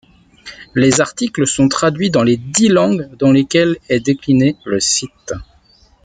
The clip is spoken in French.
Les articles sont traduits dans les dix langues dans lesquelles est décliné le site.